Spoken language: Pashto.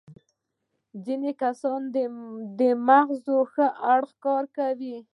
ځينې کسان د مغز ښي اړخ کاروي.